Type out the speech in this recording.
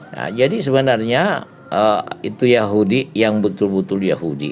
nah jadi sebenarnya itu yahudi yang betul betul yahudi